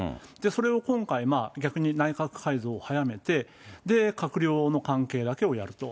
それを今回、逆に内閣改造を早めて、閣僚の関係だけをやると。